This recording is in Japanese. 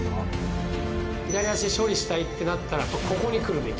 左足で処理したいとなったら、ここに来るべき。